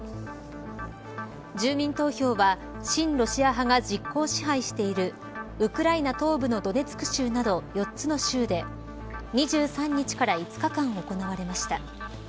住民投票は、親ロシア派が実効支配しているウクライナ東部のドネツク州など４つの州で２３日から５日間行われました。